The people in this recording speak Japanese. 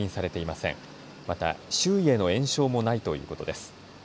また周囲への延焼もないということです。